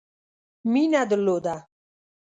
مینه درلوده.